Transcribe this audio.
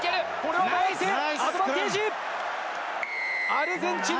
アルゼンチン。